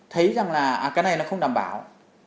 thấy rằng là cái này nó không đảm bảo